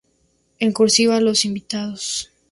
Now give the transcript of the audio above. En "cursiva" los invitados.